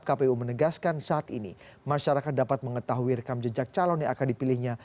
kpu menegaskan saat ini masyarakat dapat mengetahui rekam jejak calon yang akan dipilihnya